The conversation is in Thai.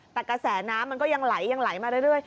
แต่กระแสน้ำมันก็ยังไหลยังไหลมาเรื่อย